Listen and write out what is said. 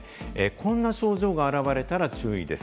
こんな症状が現れたら注意です。